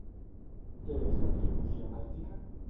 Què és la mitologia bàltica?